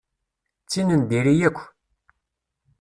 D tin n diri yakk.